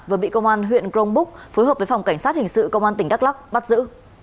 vừa bị công an huyện grong búc phối hợp với phòng cảnh sát hình sự công an tỉnh đắk lắc bắt giữ